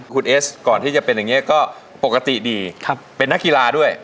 คุณเอสก่อนที่จะเป็นอย่างนี้ก็ปกติดีเป็นนักกีฬาด้วย